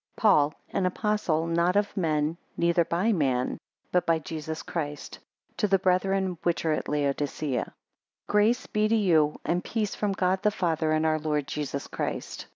PAUL an Apostle, not of men, neither by man, but by Jesus Christ, to the brethren which are at Laodicea. 2 Grace be to you, and peace from God the Father and our Lord Jesus Christ.